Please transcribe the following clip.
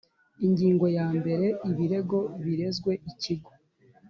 Ingingo yambere Ibirego birezwe Ikigo